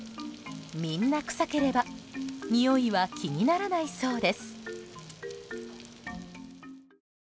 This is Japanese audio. みんな臭ければにおいは気にならないそうです。